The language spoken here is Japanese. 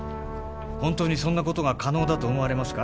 本当にそんなことが可能だと思われますか？